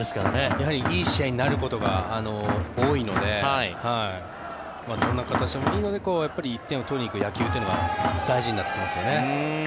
やはりいい試合になることが多いのでどんな形でもいいので１点を取りに行く野球というのが大事になってきますね。